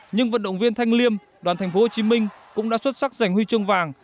nhưng vận động viên thanh liêm đoàn tp hcm cũng đã xuất sắc giành huy chương vàng